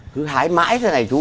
thứ hái mãi thế này chú